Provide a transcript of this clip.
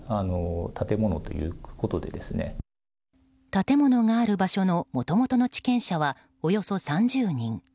建物がある場所のもともとの地権者はおよそ３０人。